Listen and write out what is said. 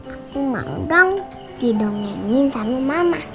aku mau dong tidur ngengin sama mama